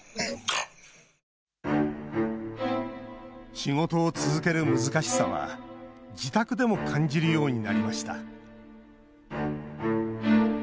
仕事を続ける難しさは自宅でも感じるようになりました。